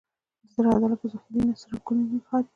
د زړه عضله په ظاهره نه ستړی کېدونکې ښکاري.